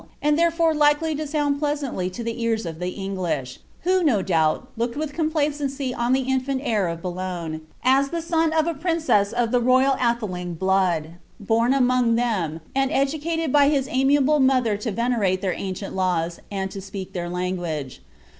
and therefore likely to sound pleasantly to the ears of the I^ lish, who, no doubt, looked with complacency on the infant heir « Boulogne, as the son of a princess of the royal Atheling blood, bcni among them, and educated by his amiable mother to veaemle thtir ancient laws, and to speak their language.